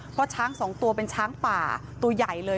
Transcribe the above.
เพราะช้างสองตัวเป็นช้างป่าตัวใหญ่เลย